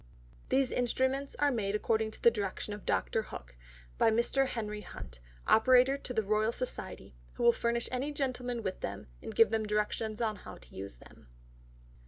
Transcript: These Instruments are made according to the Direction of Dr. Hook, by Mr. Henry Hunt, Operator to the Royal Society, who will furnish any Gentlemen with them, and give them Directions how to use them.